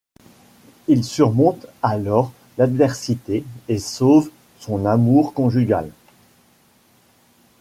Il surmonte alors l'adversité et sauve son amour conjugal.